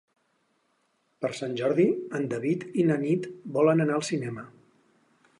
Per Sant Jordi en David i na Nit volen anar al cinema.